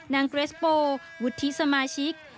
เกรสโปวุฒิสมาชิก